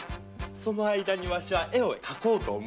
その間にわしは絵を描こうと思うのじゃ。